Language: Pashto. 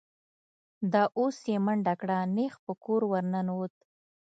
دا اوس یې منډه کړه، نېغ په کور ور ننوت.